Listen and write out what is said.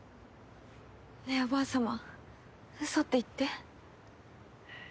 ねえおばあさま嘘って言って。